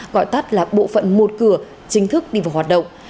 gọi tắt là bộ phận một cửa chính thức đi vào hoạt động